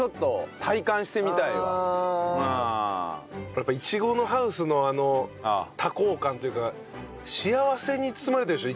やっぱイチゴのハウスの多幸感というか幸せに包まれてるでしょ